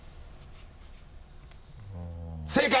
正解！